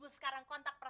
suka paham ya